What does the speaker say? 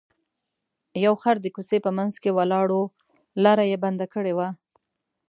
یو خر د کوڅې په منځ کې ولاړ و لاره یې بنده کړې وه.